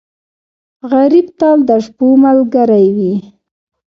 غریب تل د شپو ملګری وي